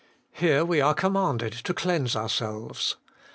Here we are com manded to cleanse ourselves.